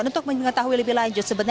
untuk mengetahui lebih lanjut